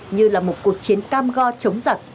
như là một cuộc chiến cam go chống giặc